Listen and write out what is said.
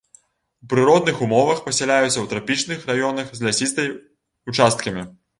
У прыродных умовах пасяляюцца ў трапічных раёнах з лясістай ўчасткамі.